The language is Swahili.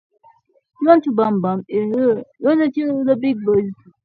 na wakati tamko hilo likitolewa wananchi wa jijini juba kwingineko wameanza sherehe